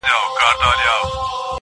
زۀ دې د دې ميني بلا واخلم